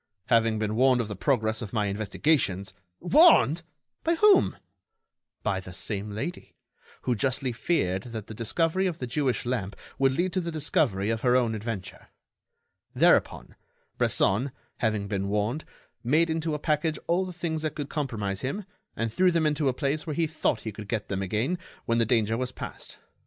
"Having been warned of the progress of my investigations——" "Warned! by whom?" "By the same lady, who justly feared that the discovery of the Jewish lamp would lead to the discovery of her own adventure. Thereupon, Bresson, having been warned, made into a package all the things that could compromise him and threw them into a place where he thought he could get them again when the danger was past.